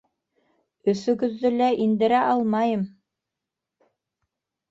Өҫөгөҙҙө лә индерә алмайым.